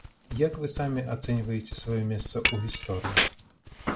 Як вы самі ацэньваеце сваё месца ў гісторыі?